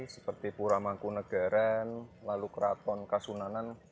seperti puramangkunagaran lalu keraton kasunanan